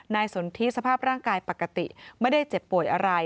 สนทิสภาพร่างกายปกติไม่ได้เจ็บป่วยอะไร